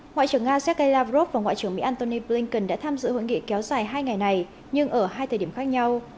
ngoại trưởng nga sergei lavrov và ngoại trưởng mỹ antony blinken đã tham dự hội nghị kéo dài hai ngày này nhưng ở hai thời điểm khác nhau